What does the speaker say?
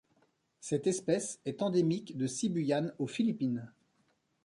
Cette espèce est endémique de Sibuyan aux Philippines.